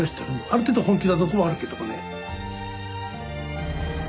ある程度本気なとこはあるけどもね。